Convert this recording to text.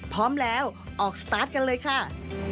พร้อมแล้วออกสตาร์ทกันเลยค่ะ